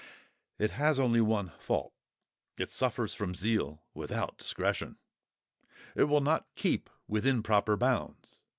It has only one fault; it suffers from zeal without discretion. It will not keep within proper bounds.